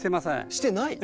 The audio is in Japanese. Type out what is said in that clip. してない！？